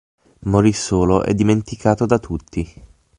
Morì solo e dimenticato da tutti.